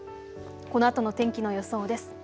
このあとの天気の予想です。